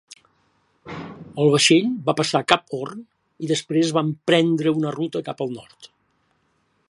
El vaixell va passar Cap Horn, i després va emprendre una ruta cap al nord.